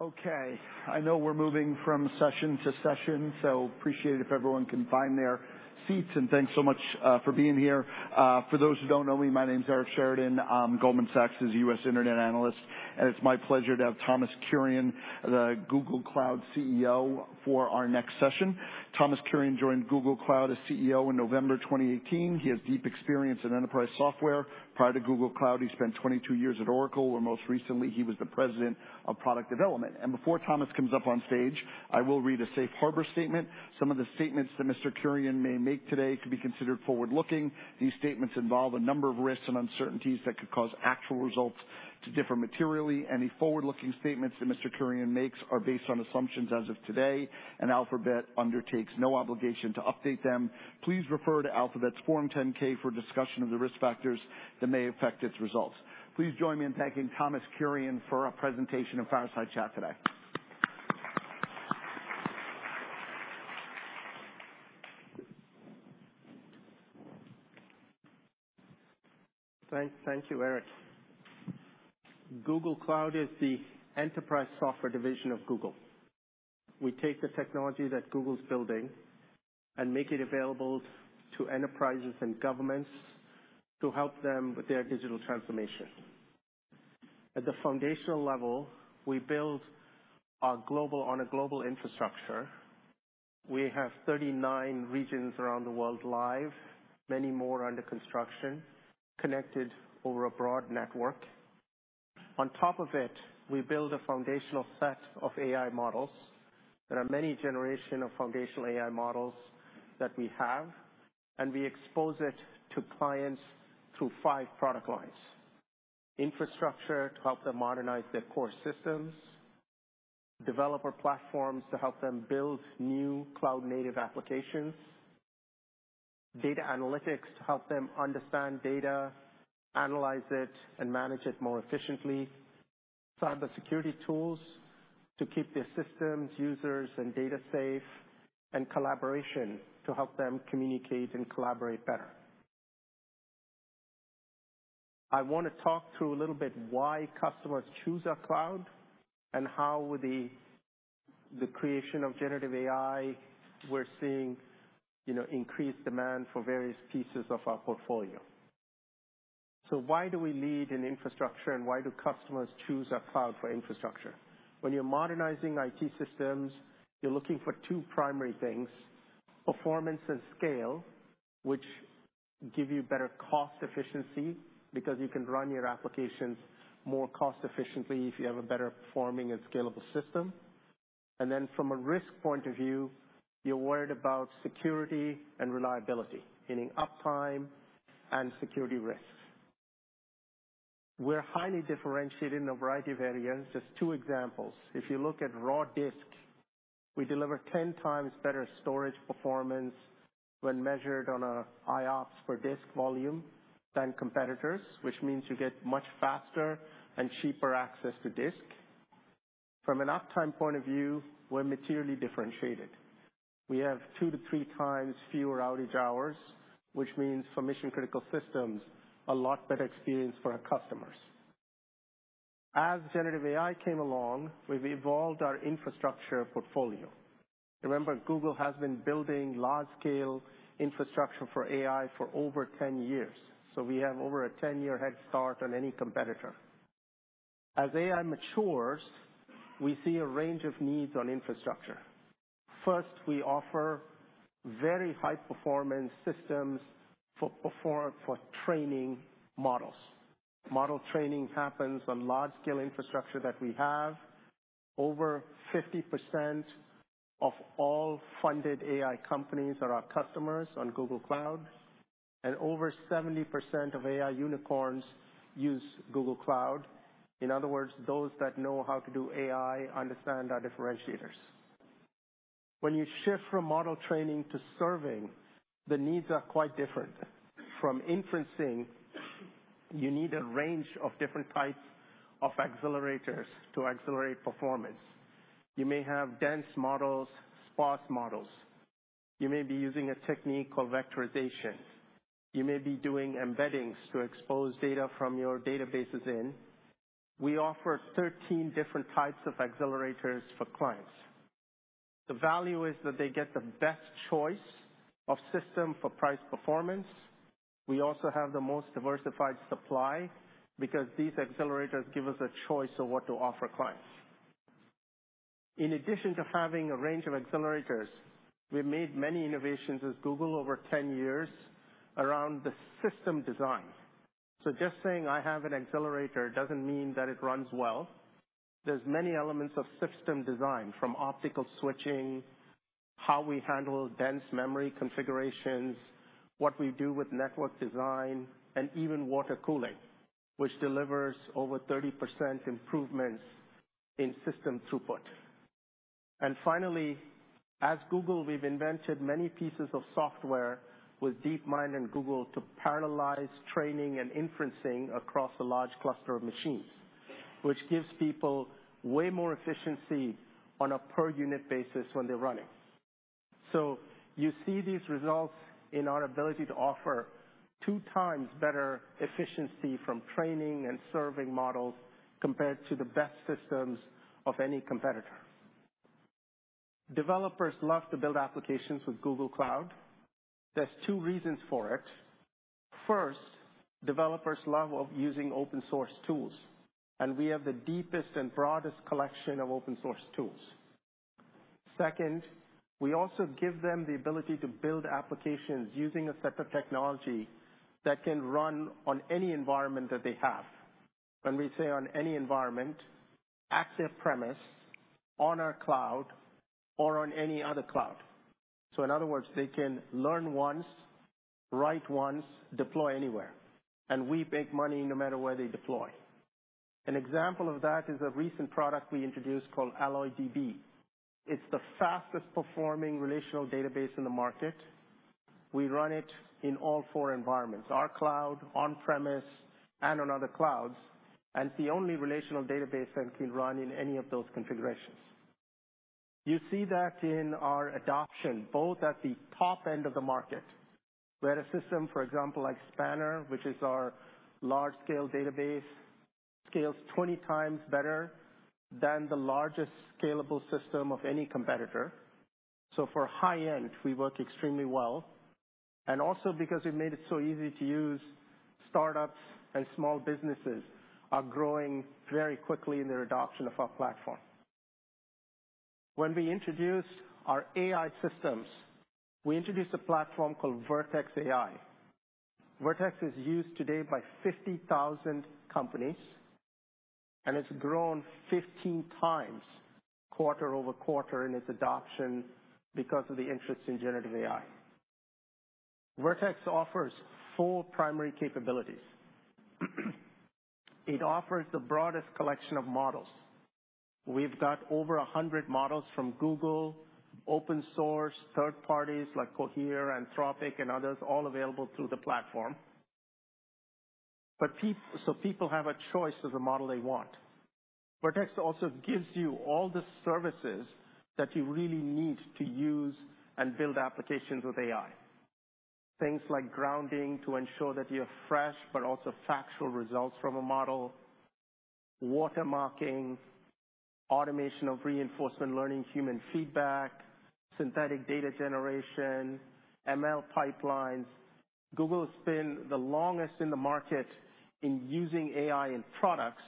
Okay. I know we're moving from session to session, so appreciate it if everyone can find their seats. Thanks so much for being here. For those who don't know me, my name's Eric Sheridan. I'm Goldman Sachs' U.S. Internet Analyst, and it's my pleasure to have Thomas Kurian, the Google Cloud CEO, for our next session. Thomas Kurian joined Google Cloud as CEO in November 2018. He has deep experience in enterprise software. Prior to Google Cloud, he spent 22 years at Oracle, where most recently he was the President of Product Development. Before Thomas comes up on stage, I will read a safe harbor statement. Some of the statements that Mr. Kurian may make today could be considered forward-looking. These statements involve a number of risks and uncertainties that could cause actual results to differ materially. Any forward-looking statements that Mr. Kurian's remarks are based on assumptions as of today, and Alphabet undertakes no obligation to update them. Please refer to Alphabet's Form 10-K for discussion of the risk factors that may affect its results. Please join me in thanking Thomas Kurian for a presentation and fireside chat today. Thank you, Eric. Google Cloud is the enterprise software division of Google. We take the technology that Google's building and make it available to enterprises and governments to help them with their digital transformation. At the foundational level, we build on a global infrastructure. We have 39 regions around the world live, many more under construction, connected over a broad network. On top of it, we build a foundational set of AI models. There are many generations of foundational AI models that we have, and we expose it to clients through five product lines: infrastructure to help them modernize their core systems, developer platforms to help them build new cloud-native applications, data analytics to help them understand data, analyze it, and manage it more efficiently, cybersecurity tools to keep their systems, users, and data safe, and collaboration to help them communicate and collaborate better. I want to talk through a little bit why customers choose our cloud and how, with the creation of generative AI, we're seeing increased demand for various pieces of our portfolio. So why do we lead in infrastructure, and why do customers choose our cloud for infrastructure? When you're modernizing IT systems, you're looking for two primary things: performance and scale, which give you better cost efficiency because you can run your applications more cost efficiently if you have a better performing and scalable system. And then, from a risk point of view, you're worried about security and reliability, meaning uptime and security risks. We're highly differentiated in a variety of areas. Just two examples. If you look at raw disk, we deliver 10 times better storage performance when measured on an IOPS per disk volume than competitors, which means you get much faster and cheaper access to disk. From an uptime point of view, we're materially differentiated. We have two to three times fewer outage hours, which means, for mission-critical systems, a lot better experience for our customers. As generative AI came along, we've evolved our infrastructure portfolio. Remember, Google has been building large-scale infrastructure for AI for over 10 years, so we have over a 10-year head start on any competitor. As AI matures, we see a range of needs on infrastructure. First, we offer very high-performance systems for training models. Model training happens on large-scale infrastructure that we have. Over 50% of all funded AI companies are our customers on Google Cloud, and over 70% of AI unicorns use Google Cloud. In other words, those that know how to do AI understand our differentiators. When you shift from model training to serving, the needs are quite different. From inferencing, you need a range of different types of accelerators to accelerate performance. You may have dense models, sparse models. You may be using a technique called vectorization. You may be doing embeddings to expose data from your databases in. We offer 13 different types of accelerators for clients. The value is that they get the best choice of system for price performance. We also have the most diversified supply because these accelerators give us a choice of what to offer clients. In addition to having a range of accelerators, we've made many innovations as Google over 10 years around the system design. So just saying I have an accelerator doesn't mean that it runs well. There's many elements of system design, from optical switching, how we handle dense memory configurations, what we do with network design, and even water cooling, which delivers over 30% improvements in system throughput. And finally, as Google, we've invented many pieces of software with DeepMind and Google to parallelize training and inferencing across a large cluster of machines, which gives people way more efficiency on a per-unit basis when they're running. So you see these results in our ability to offer two times better efficiency from training and serving models compared to the best systems of any competitor. Developers love to build applications with Google Cloud. There's two reasons for it. First, developers love using open-source tools, and we have the deepest and broadest collection of open-source tools. Second, we also give them the ability to build applications using a set of technology that can run on any environment that they have. When we say on any environment, on-premises, on our cloud, or on any other cloud. So in other words, they can learn once, write once, deploy anywhere, and we make money no matter where they deploy. An example of that is a recent product we introduced called AlloyDB. It's the fastest-performing relational database in the market. We run it in all four environments: our cloud, on-premise, and on other clouds. And it's the only relational database that can run in any of those configurations. You see that in our adoption, both at the top end of the market, where a system, for example, like Spanner, which is our large-scale database, scales 20x better than the largest scalable system of any competitor. So for high-end, we work extremely well. And also, because we've made it so easy to use, startups and small businesses are growing very quickly in their adoption of our platform. When we introduced our AI systems, we introduced a platform called Vertex AI. Vertex is used today by 50,000 companies, and it's grown 15 times quarter over quarter in its adoption because of the interest in generative AI. Vertex offers four primary capabilities. It offers the broadest collection of models. We've got over 100 models from Google, open-source, third parties like Cohere, Anthropic, and others, all available through the platform. So people have a choice of the model they want. Vertex also gives you all the services that you really need to use and build applications with AI, things like grounding to ensure that you have fresh but also factual results from a model, watermarking, automation of reinforcement learning, human feedback, synthetic data generation, ML pipelines. Google has been the longest in the market in using AI in products,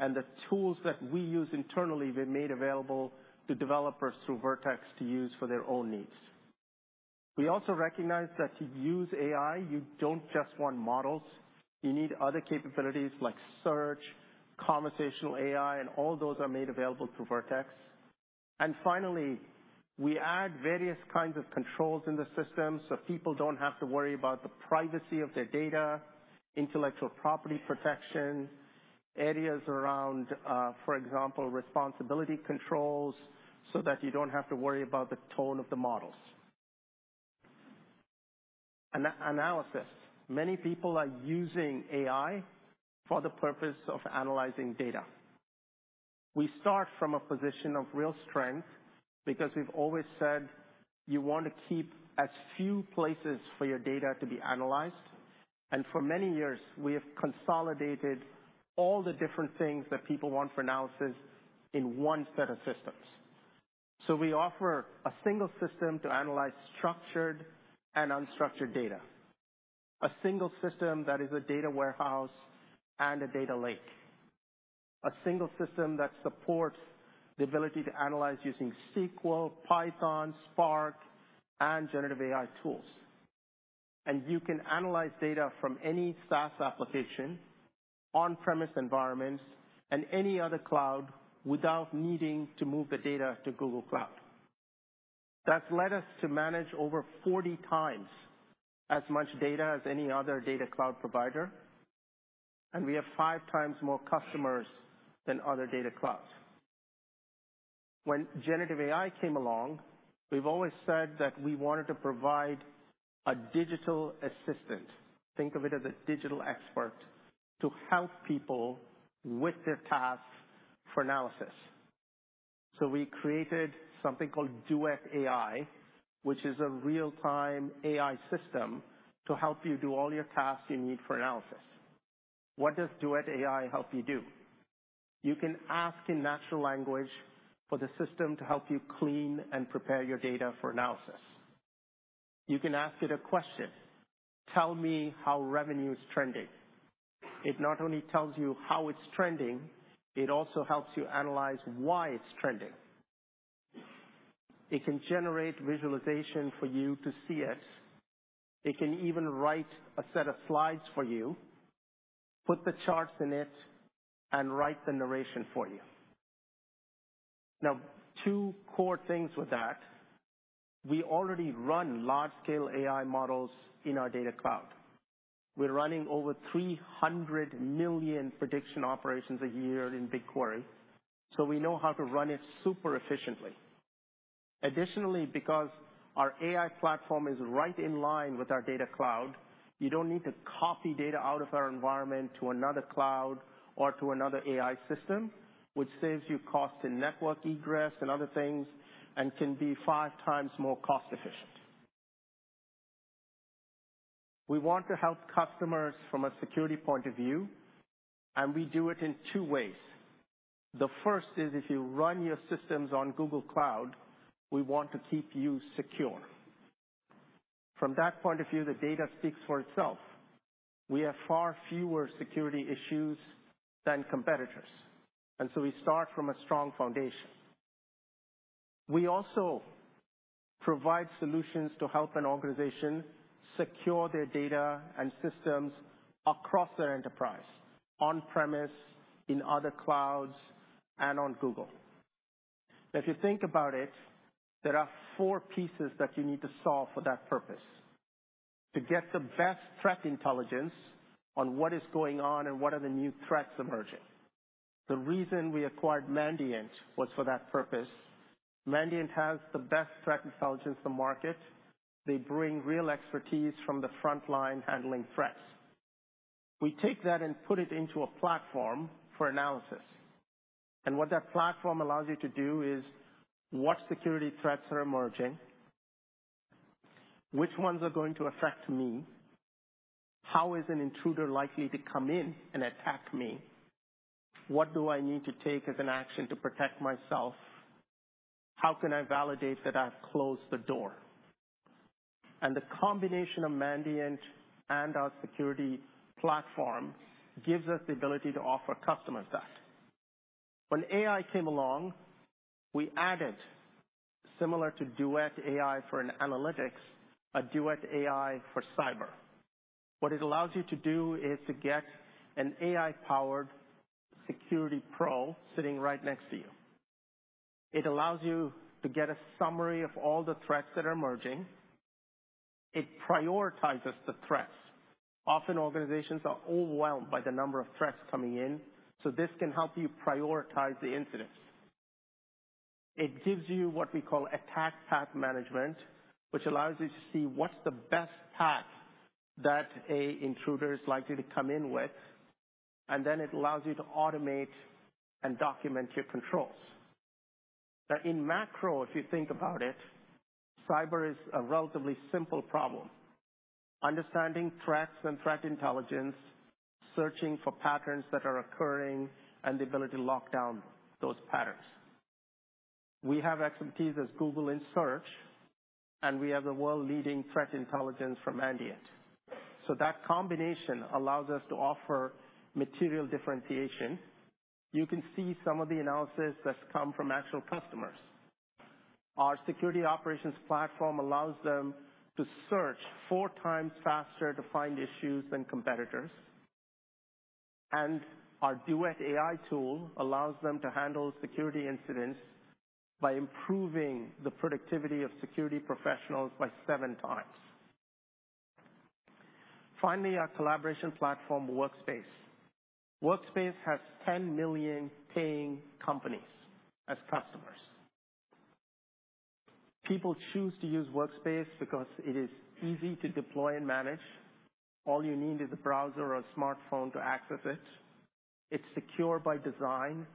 and the tools that we use internally have been made available to developers through Vertex to use for their own needs. We also recognize that to use AI, you don't just want models. You need other capabilities like search, conversational AI, and all those are made available through Vertex. Finally, we add various kinds of controls in the system so people don't have to worry about the privacy of their data, intellectual property protection, areas around, for example, responsibility controls, so that you don't have to worry about the tone of the models. Analysis. Many people are using AI for the purpose of analyzing data. We start from a position of real strength because we've always said you want to keep as few places for your data to be analyzed. And for many years, we have consolidated all the different things that people want for analysis in one set of systems. So we offer a single system to analyze structured and unstructured data, a single system that is a data warehouse and a data lake, a single system that supports the ability to analyze using SQL, Python, Spark, and generative AI tools. And you can analyze data from any SaaS application, on-premise environments, and any other cloud without needing to move the data to Google Cloud. That's led us to manage over 40 times as much data as any other data cloud provider, and we have five times more customers than other data clouds. When generative AI came along, we've always said that we wanted to provide a digital assistant. Think of it as a digital expert to help people with their tasks for analysis. So we created something called Duet AI, which is a real-time AI system to help you do all your tasks you need for analysis. What does Duet AI help you do? You can ask in natural language for the system to help you clean and prepare your data for analysis. You can ask it a question, "Tell me how revenue is trending." It not only tells you how it's trending, it also helps you analyze why it's trending. It can generate visualization for you to see it. It can even write a set of slides for you, put the charts in it, and write the narration for you. Now, two core things with that. We already run large-scale AI models in our data cloud. We're running over 300 million prediction operations a year in BigQuery, so we know how to run it super efficiently. Additionally, because our AI platform is right in line with our data cloud, you don't need to copy data out of our environment to another cloud or to another AI system, which saves you cost in network egress and other things and can be five times more cost efficient. We want to help customers from a security point of view, and we do it in two ways. The first is if you run your systems on Google Cloud, we want to keep you secure. From that point of view, the data speaks for itself. We have far fewer security issues than competitors, and so we start from a strong foundation. We also provide solutions to help an organization secure their data and systems across their enterprise, on-premise, in other clouds, and on Google. Now, if you think about it, there are four pieces that you need to solve for that purpose: to get the best threat intelligence on what is going on and what are the new threats emerging. The reason we acquired Mandiant was for that purpose. Mandiant has the best threat intelligence in the market. They bring real expertise from the front line handling threats. We take that and put it into a platform for analysis. And what that platform allows you to do is watch security threats that are emerging, which ones are going to affect me, how is an intruder likely to come in and attack me, what do I need to take as an action to protect myself, how can I validate that I've closed the door. And the combination of Mandiant and our security platform gives us the ability to offer customers that. When AI came along, we added, similar to Duet AI for analytics, a Duet AI for cyber. What it allows you to do is to get an AI-powered security pro sitting right next to you. It allows you to get a summary of all the threats that are emerging. It prioritizes the threats. Often, organizations are overwhelmed by the number of threats coming in, so this can help you prioritize the incidents. It gives you what we call attack path management, which allows you to see what's the best path that an intruder is likely to come in with, and then it allows you to automate and document your controls. Now, in macro, if you think about it, cyber is a relatively simple problem: understanding threats and threat intelligence, searching for patterns that are occurring, and the ability to lock down those patterns. We have expertise as Google in search, and we have the world-leading threat intelligence from Mandiant. So that combination allows us to offer material differentiation. You can see some of the analysis that's come from actual customers. Our security operations platform allows them to search four times faster to find issues than competitors. And our Duet AI tool allows them to handle security incidents by improving the productivity of security professionals by seven times. Finally, our collaboration platform, Workspace. Workspace has 10 million paying companies as customers. People choose to use Workspace because it is easy to deploy and manage. All you need is a browser or a smartphone to access it. It's secure by design.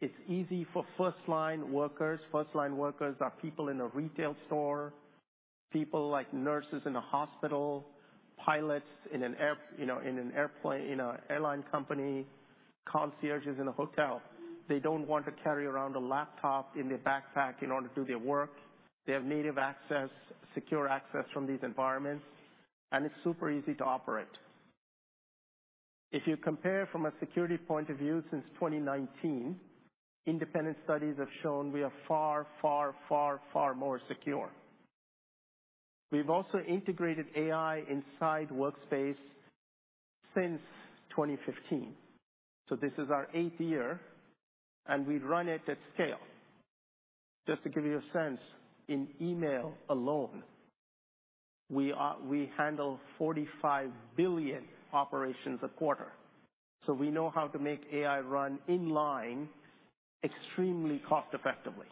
It's easy for first-line workers. First-line workers are people in a retail store, people like nurses in a hospital, pilots in an airline company, concierges in a hotel. They don't want to carry around a laptop in their backpack in order to do their work. They have native access, secure access from these environments, and it's super easy to operate. If you compare from a security point of view since 2019, independent studies have shown we are far, far, far, far more secure. We've also integrated AI inside Workspace since 2015, so this is our eighth year, and we run it at scale. Just to give you a sense, in email alone, we handle 45 billion operations a quarter, so we know how to make AI run in line extremely cost-effectively.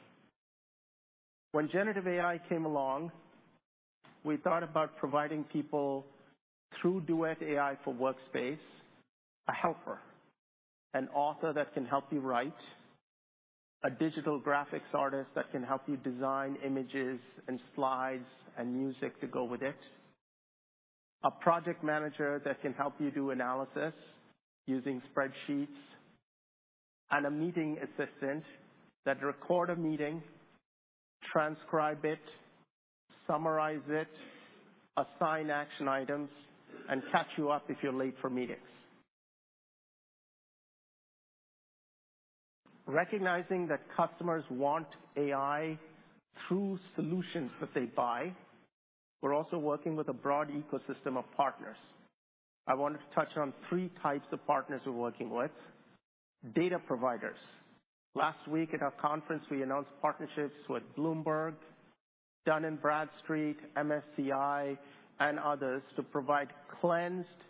When generative AI came along, we thought about providing people through Duet AI for Workspace a helper, an author that can help you write, a digital graphics artist that can help you design images and slides and music to go with it, a project manager that can help you do analysis using spreadsheets, and a meeting assistant that records a meeting, transcribes it, summarizes it, assigns action items, and catches you up if you're late for meetings. Recognizing that customers want AI through solutions that they buy, we're also working with a broad ecosystem of partners. I wanted to touch on three types of partners we're working with: data providers. Last week, at our conference, we announced partnerships with Bloomberg, Dun & Bradstreet, MSCI, and others to provide cleansed,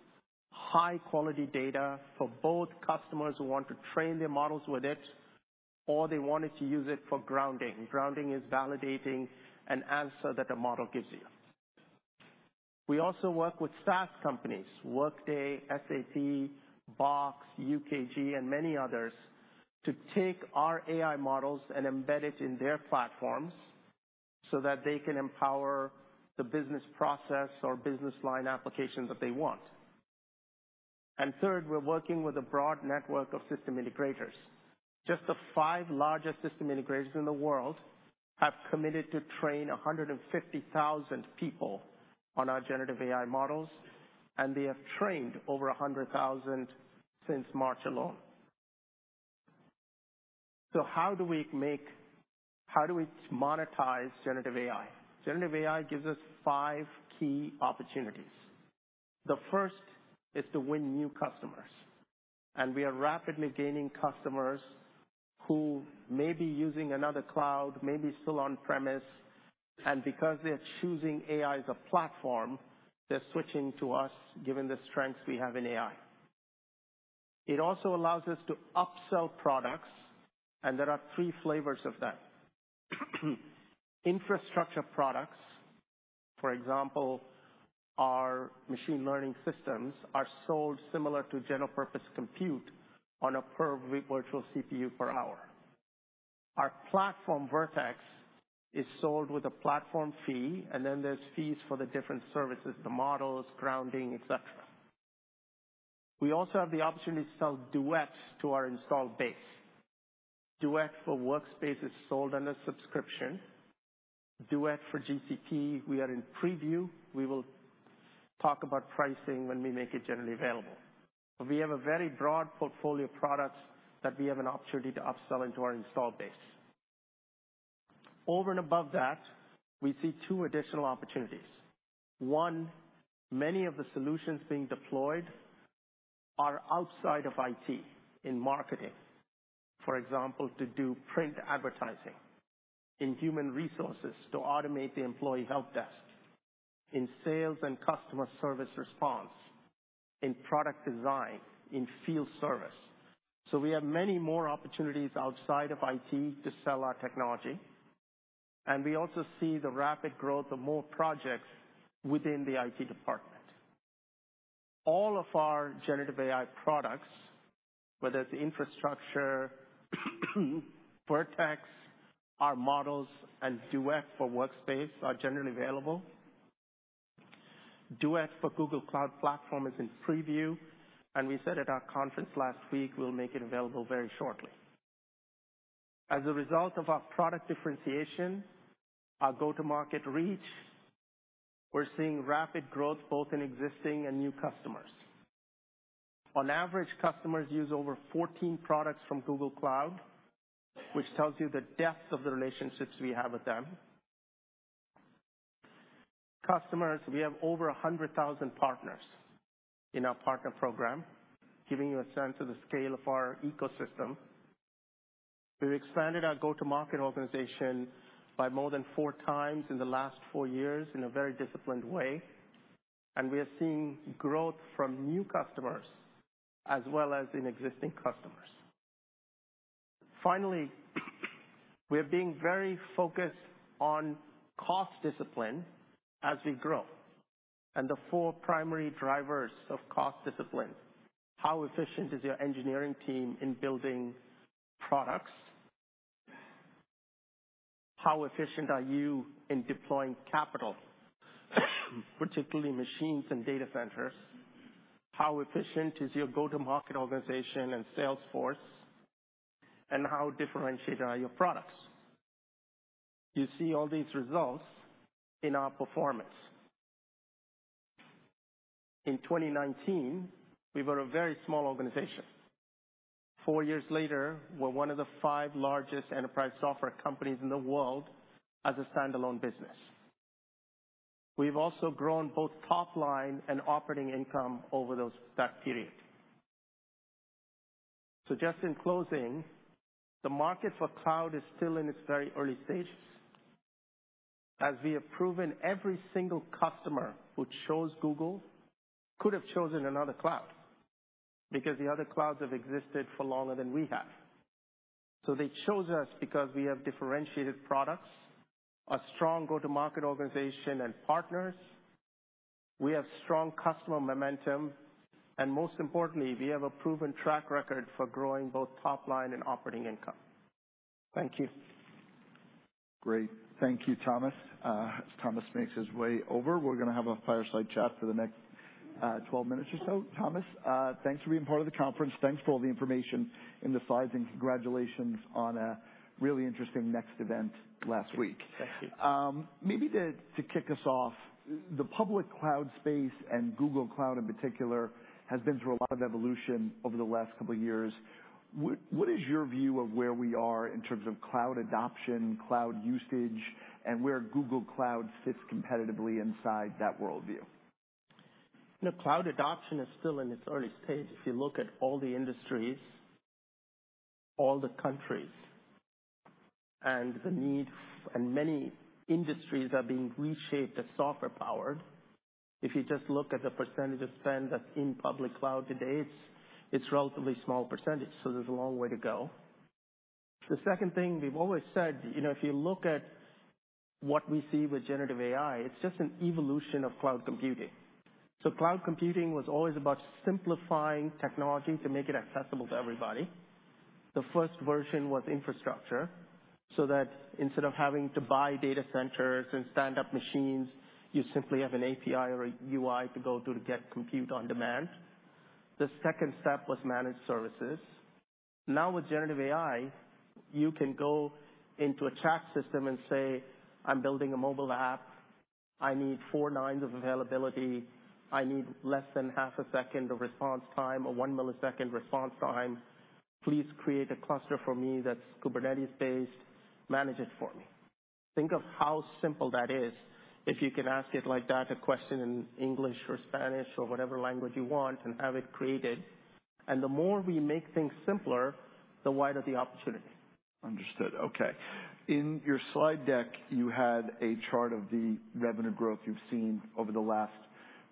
high-quality data for both customers who want to train their models with it, or they wanted to use it for grounding. Grounding is validating an answer that a model gives you. We also work with SaaS companies: Workday, SAP, Box, UKG, and many others to take our AI models and embed it in their platforms so that they can empower the business process or business line applications that they want. And third, we're working with a broad network of system integrators. Just the five largest system integrators in the world have committed to train 150,000 people on our generative AI models, and they have trained over 100,000 since March alone. So how do we monetize generative AI? Generative AI gives us five key opportunities. The first is to win new customers. And we are rapidly gaining customers who may be using another cloud, maybe still on-premise. And because they're choosing AI as a platform, they're switching to us given the strengths we have in AI. It also allows us to upsell products, and there are three flavors of that. Infrastructure products, for example, our machine learning systems are sold similar to general-purpose compute on a per virtual CPU per hour. Our platform, Vertex, is sold with a platform fee, and then there's fees for the different services: the models, grounding, etc. We also have the opportunity to sell Duet to our installed base. Duet for Workspace is sold under subscription. Duet for GCP, we are in preview. We will talk about pricing when we make it generally available. We have a very broad portfolio of products that we have an opportunity to upsell into our installed base. Over and above that, we see two additional opportunities. One, many of the solutions being deployed are outside of IT in marketing, for example, to do print advertising, in human resources to automate the employee help desk, in sales and customer service response, in product design, in field service. So we have many more opportunities outside of IT to sell our technology. And we also see the rapid growth of more projects within the IT department. All of our generative AI products, whether it's infrastructure, Vertex, our models, and Duet for Workspace are generally available. Duet for Google Cloud Platform is in preview, and we said at our conference last week we'll make it available very shortly. As a result of our product differentiation, our go-to-market reach, we're seeing rapid growth both in existing and new customers. On average, customers use over 14 products from Google Cloud, which tells you the depth of the relationships we have with them. Customers, we have over 100,000 partners in our partner program, giving you a sense of the scale of our ecosystem. We've expanded our go-to-market organization by more than four times in the last four years in a very disciplined way. We are seeing growth from new customers as well as in existing customers. Finally, we are being very focused on cost discipline as we grow. The four primary drivers of cost discipline: how efficient is your engineering team in building products? How efficient are you in deploying capital, particularly machines and data centers? How efficient is your go-to-market organization and sales force? How differentiated are your products? You see all these results in our performance. In 2019, we were a very small organization. Four years later, we're one of the five largest enterprise software companies in the world as a standalone business. We've also grown both top line and operating income over that period. So just in closing, the market for cloud is still in its very early stages. As we have proven, every single customer who chose Google could have chosen another cloud because the other clouds have existed for longer than we have. So they chose us because we have differentiated products, a strong go-to-market organization, and partners. We have strong customer momentum. And most importantly, we have a proven track record for growing both top line and operating income. Thank you. Great. Thank you, Thomas. As Thomas makes his way over, we're going to have a fireside chat for the next 12 minutes or so. Thomas, thanks for being part of the conference. Thanks for all the information in the slides, and congratulations on a really interesting Next event last week. Thank you. Maybe to kick us off, the public cloud space and Google Cloud in particular has been through a lot of evolution over the last couple of years. What is your view of where we are in terms of cloud adoption, cloud usage, and where Google Cloud sits competitively inside that worldview? Cloud adoption is still in its early stage. If you look at all the industries, all the countries, and the need, and many industries are being reshaped as software-powered. If you just look at the percentage of spend that's in public cloud today, it's a relatively small percentage. So there's a long way to go. The second thing we've always said, if you look at what we see with generative AI, it's just an evolution of cloud computing. So cloud computing was always about simplifying technology to make it accessible to everybody. The first version was infrastructure so that instead of having to buy data centers and stand-up machines, you simply have an API or a UI to go to to get compute on demand. The second step was managed services. Now with generative AI, you can go into a chat system and say, "I'm building a mobile app. I need four nines of availability. I need less than half a second of response time or one millisecond response time. Please create a cluster for me that's Kubernetes-based. Manage it for me." Think of how simple that is if you can ask it like that, a question in English or Spanish or whatever language you want, and have it created. And the more we make things simpler, the wider the opportunity. Understood. Okay. In your slide deck, you had a chart of the revenue growth you've seen over the last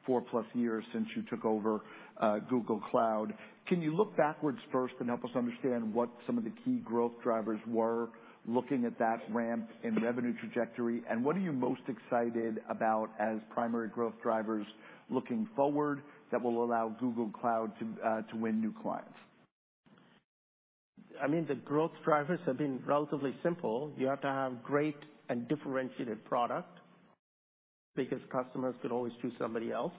four-plus years since you took over Google Cloud. Can you look backwards first and help us understand what some of the key growth drivers were looking at that ramp in revenue trajectory? And what are you most excited about as primary growth drivers looking forward that will allow Google Cloud to win new clients? I mean, the growth drivers have been relatively simple. You have to have a great and differentiated product because customers could always choose somebody else.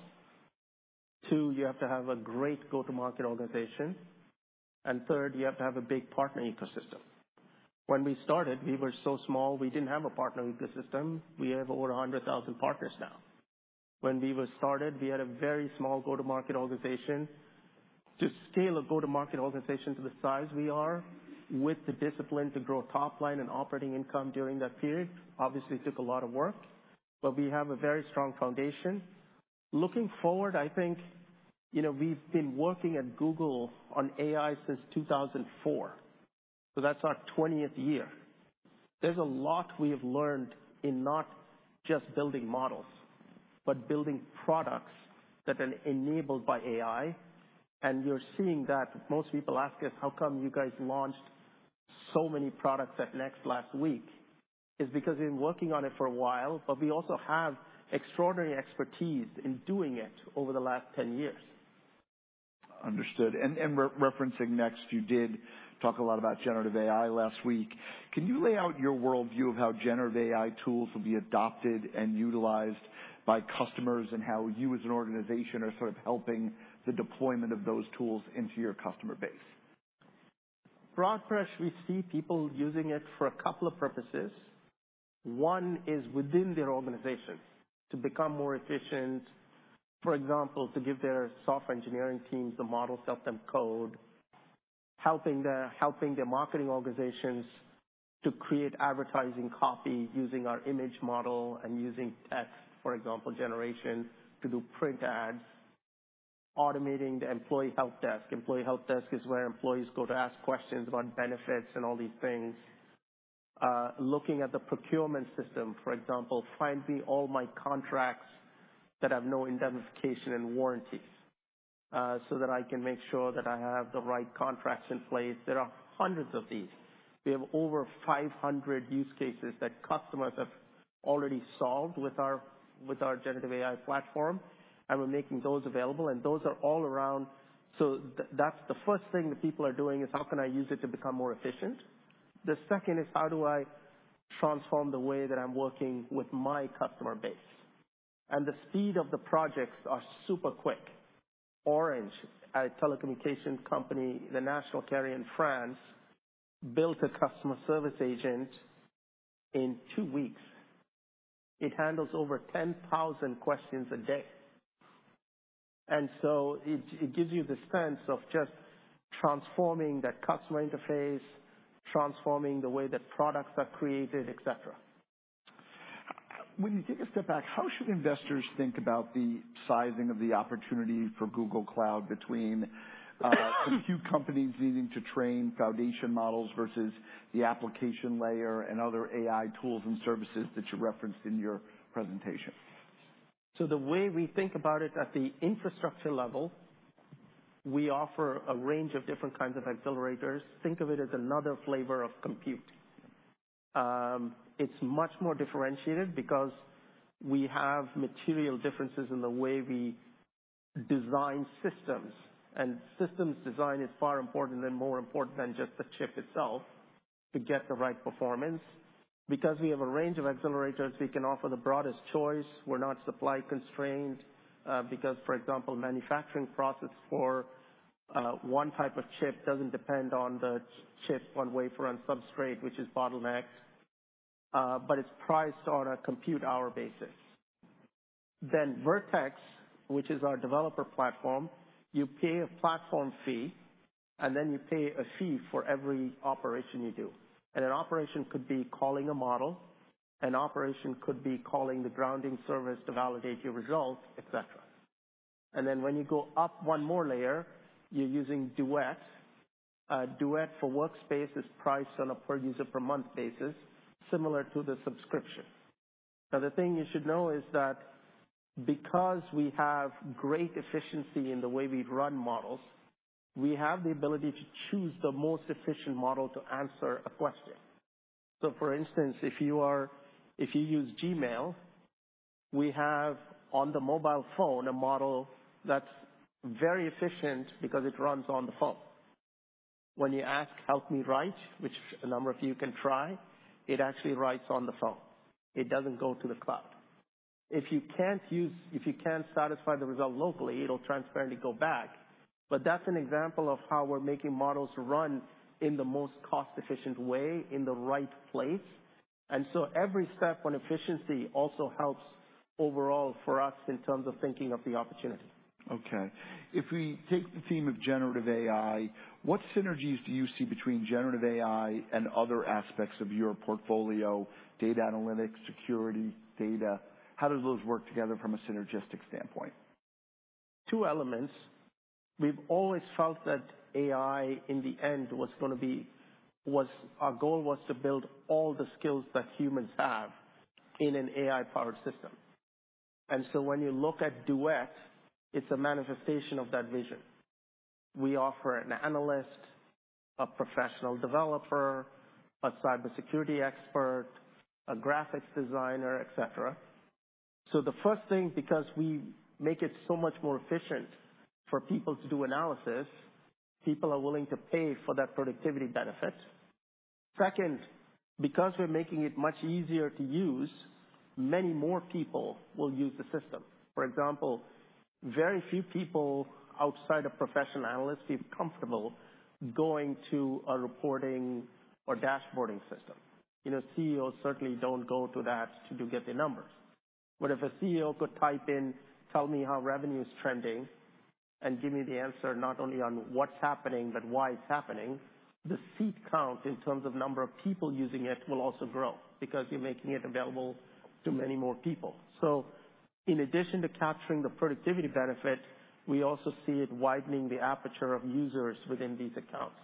Two, you have to have a great go-to-market organization. And third, you have to have a big partner ecosystem. When we started, we were so small, we didn't have a partner ecosystem. We have over 100,000 partners now. When we were started, we had a very small go-to-market organization. To scale a go-to-market organization to the size we are with the discipline to grow top line and operating income during that period, obviously took a lot of work. But we have a very strong foundation. Looking forward, I think we've been working at Google on AI since 2004. So that's our 20th year. There's a lot we have learned in not just building models, but building products that are enabled by AI. And you're seeing that most people ask us, "How come you guys launched so many products at Next last week?" It's because we've been working on it for a while, but we also have extraordinary expertise in doing it over the last 10 years. Understood. And referencing Next, you did talk a lot about generative AI last week. Can you lay out your worldview of how generative AI tools will be adopted and utilized by customers and how you as an organization are sort of helping the deployment of those tools into your customer base? Broad brush, we see people using it for a couple of purposes. One is within their organization to become more efficient. For example, to give their software engineering teams the models, help them code, helping their marketing organizations to create advertising copy using our image model and using text, for example, generation to do print ads, automating the employee help desk. Employee help desk is where employees go to ask questions about benefits and all these things. Looking at the procurement system, for example, find me all my contracts that have no indemnification and warranties so that I can make sure that I have the right contracts in place. There are hundreds of these. We have over 500 use cases that customers have already solved with our generative AI platform, and we're making those available, and those are all around, so that's the first thing that people are doing is, "How can I use it to become more efficient?" The second is, "How do I transform the way that I'm working with my customer base?", and the speed of the projects are super quick. Orange, a telecommunications company, the national carrier in France, built a customer service agent in two weeks. It handles over 10,000 questions a day, and so it gives you the sense of just transforming that customer interface, transforming the way that products are created, etc. When you take a step back, how should investors think about the sizing of the opportunity for Google Cloud between a few companies needing to train foundation models versus the application layer and other AI tools and services that you referenced in your presentation? So the way we think about it at the infrastructure level, we offer a range of different kinds of accelerators. Think of it as another flavor of compute. It's much more differentiated because we have material differences in the way we design systems. And systems design is far important and more important than just the chip itself to get the right performance. Because we have a range of accelerators, we can offer the broadest choice. We're not supply constrained because, for example, the manufacturing process for one type of chip doesn't depend on the chip, one wafer, and substrate, which is bottlenecked, but it's priced on a compute-hour basis. Then Vertex, which is our developer platform, you pay a platform fee, and then you pay a fee for every operation you do. And an operation could be calling a model. An operation could be calling the grounding service to validate your results, etc. And then when you go up one more layer, you're using Duet. Duet for Workspace is priced on a per-user-per-month basis, similar to the subscription. Now, the thing you should know is that because we have great efficiency in the way we run models, we have the ability to choose the most efficient model to answer a question. So for instance, if you use Gmail, we have on the mobile phone a model that's very efficient because it runs on the phone. When you ask, "Help me write," which a number of you can try, it actually writes on the phone. It doesn't go to the cloud. If you can't satisfy the result locally, it'll transparently go back. But that's an example of how we're making models run in the most cost-efficient way in the right place. And so every step on efficiency also helps overall for us in terms of thinking of the opportunity. Okay. If we take the theme of generative AI, what synergies do you see between generative AI and other aspects of your portfolio, data analytics, security, data? How do those work together from a synergistic standpoint? Two elements. We've always felt that AI, in the end, was going to be our goal was to build all the skills that humans have in an AI-powered system. And so when you look at Duet, it's a manifestation of that vision. We offer an analyst, a professional developer, a cybersecurity expert, a graphics designer, etc. So the first thing, because we make it so much more efficient for people to do analysis, people are willing to pay for that productivity benefit. Second, because we're making it much easier to use, many more people will use the system. For example, very few people outside of professional analysts feel comfortable going to a reporting or dashboarding system. CEOs certainly don't go to that to get their numbers. But if a CEO could type in, "Tell me how revenue is trending," and give me the answer not only on what's happening, but why it's happening, the seat count in terms of number of people using it will also grow because you're making it available to many more people. So in addition to capturing the productivity benefit, we also see it widening the aperture of users within these accounts.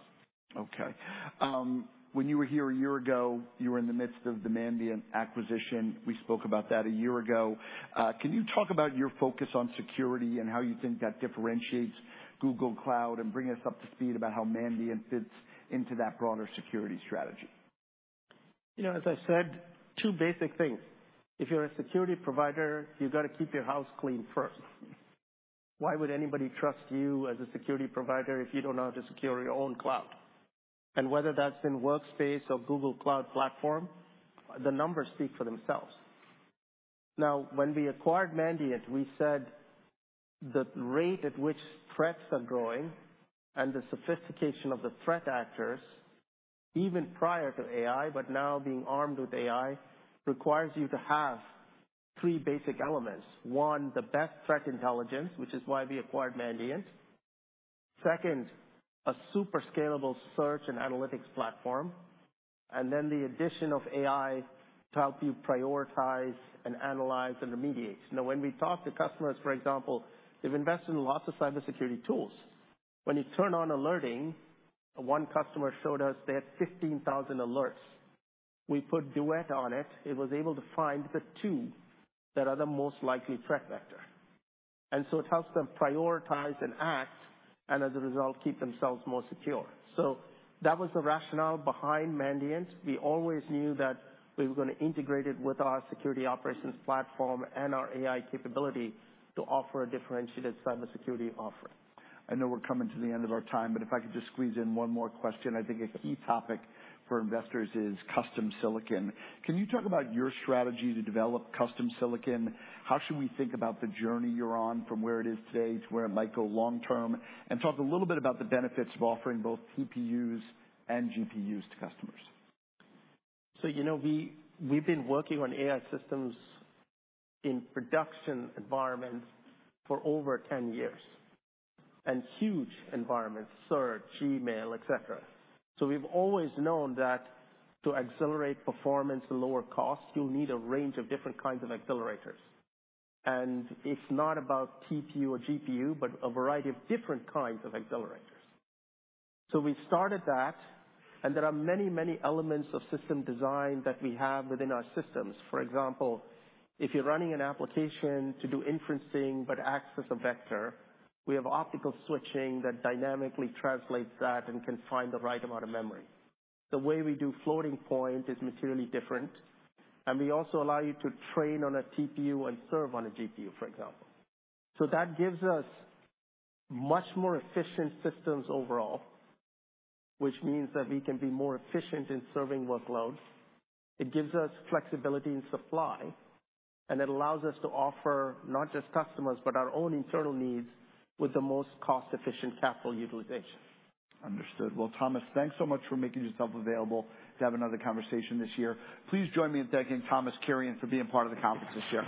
Okay. When you were here a year ago, you were in the midst of the Mandiant acquisition. We spoke about that a year ago. Can you talk about your focus on security and how you think that differentiates Google Cloud and bring us up to speed about how Mandiant fits into that broader security strategy? As I said, two basic things. If you're a security provider, you've got to keep your house clean first. Why would anybody trust you as a security provider if you don't know how to secure your own cloud, and whether that's in Workspace or Google Cloud Platform, the numbers speak for themselves. Now, when we acquired Mandiant, we said the rate at which threats are growing and the sophistication of the threat actors, even prior to AI, but now being armed with AI, requires you to have three basic elements. One, the best threat intelligence, which is why we acquired Mandiant. Second, a super scalable search and analytics platform, and then the addition of AI to help you prioritize and analyze and remediate. Now, when we talk to customers, for example, they've invested in lots of cybersecurity tools. When you turn on alerting, one customer showed us they had 15,000 alerts. We put Duet on it. It was able to find the two that are the most likely threat vector. And so it helps them prioritize and act, and as a result, keep themselves more secure. So that was the rationale behind Mandiant. We always knew that we were going to integrate it with our security operations platform and our AI capability to offer a differentiated cybersecurity offering. I know we're coming to the end of our time, but if I could just squeeze in one more question. I think a key topic for investors is custom silicon. Can you talk about your strategy to develop custom silicon? How should we think about the journey you're on from where it is today to where it might go long term? And talk a little bit about the benefits of offering both TPUs and GPUs to customers. So we've been working on AI systems in production environments for over 10 years and huge environments, Search, Gmail, etc. So we've always known that to accelerate performance and lower costs, you'll need a range of different kinds of accelerators. And it's not about TPU or GPU, but a variety of different kinds of accelerators. So we started that, and there are many, many elements of system design that we have within our systems. For example, if you're running an application to do inferencing but access a vector, we have optical switching that dynamically translates that and can find the right amount of memory. The way we do floating point is materially different. And we also allow you to train on a TPU and serve on a GPU, for example. So that gives us much more efficient systems overall, which means that we can be more efficient in serving workloads. It gives us flexibility in supply, and it allows us to offer not just customers, but our own internal needs with the most cost-efficient capital utilization. Understood. Well, Thomas, thanks so much for making yourself available to have another conversation this year. Please join me in thanking Thomas Kurian for being part of the conference this year.